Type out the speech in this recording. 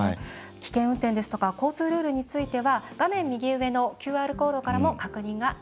危険運転ですとか交通ルールについては画面右上のＱＲコードからも確認ができます。